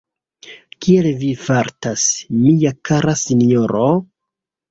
Kiel vi fartas, mia kara sinjoro?